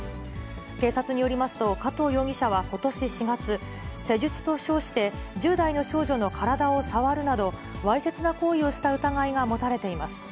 警察によりますと、加藤容疑者はことし４月、施術と称して１０代の少女の体を触るなど、わいせつな行為をした疑いが持たれています。